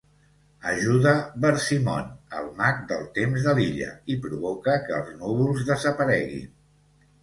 Ajuda Bersimon, el mag del temps de l'illa, i provoca que els núvols desapareguin.